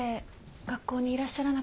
学校にいらっしゃらなくて。